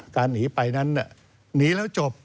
หนีไปนั้นหนีแล้วจบ